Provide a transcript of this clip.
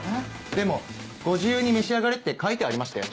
でも「ご自由に召し上がれ」って書いてありましたよ。